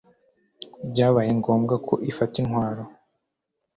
byabaye ngombwa ko ifata intwaro